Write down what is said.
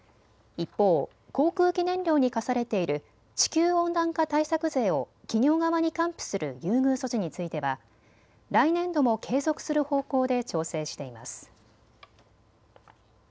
一方、航空機燃料に課されている地球温暖化対策税を企業側に還付する優遇措置については来年度も継続する方向で調整しています。